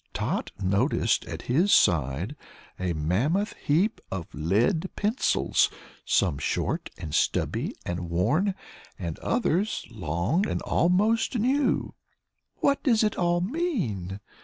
Tot noticed at his side a mammoth heap of lead pencils, some short and stubby and worn, and others long and almost new. "What does it all mean?"